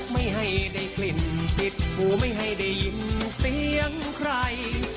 ไม่ให้ได้กลิ่นติดหูไม่ให้ได้ยินเสียงใคร